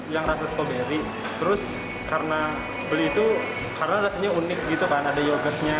yang rasa stroberi terus karena beli itu karena rasanya unik gitu kan ada yogurtnya